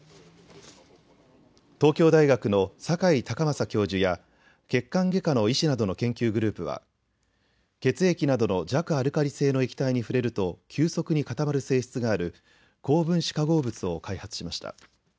東京大学の酒井崇匡教授や血管外科の医師などの研究グループは血液などの弱アルカリ性の液体に触れると急速に固まる性質がある高分子化合物を開発しました。